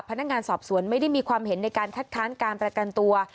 พนักงานสอบสวนไม่ได้มีความเห็นในการคัดค้านการประกันตัว